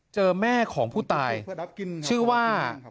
เจอแม่ของผู้ตายชื่อว่า